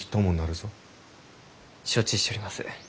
承知しちょります。